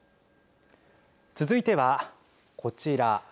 続いてはこちら。